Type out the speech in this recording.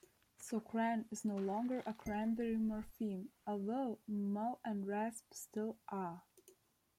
So "cran" is no longer a cranberry morpheme, although "mul" and "rasp" still are.